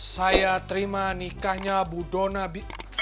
saya terima nikahnya budona b